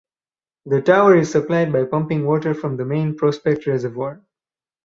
The tower is supplied by pumping water from the main Prospect Reservoir.